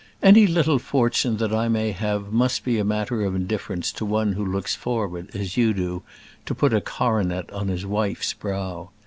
Any little fortune that I may have must be a matter of indifference to one who looks forward, as you do, to put a coronet on his wife's brow.